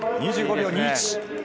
２５秒２１。